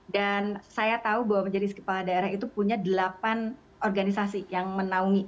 dan saya tahu bahwa menjadi istri kepala daerah itu punya delapan organisasi yang menaungi